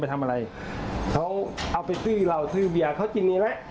เขาเอาไปสื่อเราสื่อเบียเขากินสินะ